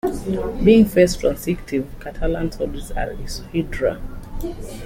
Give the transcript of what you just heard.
Being face-transitive, Catalan solids are isohedra.